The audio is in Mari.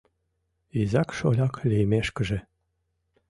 Изак-шоляк лиймешкыже